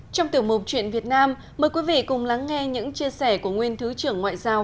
trong tiểu mục chuyện việt nam mời quý vị cùng lắng nghe những chia sẻ của nguyên thứ trưởng ngoại giao